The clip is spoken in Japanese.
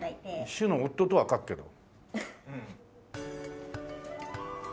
「主」の「夫」とは書くけど。